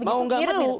mau nggak mau